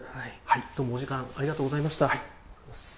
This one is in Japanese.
どうもお時間、ありがとうございました。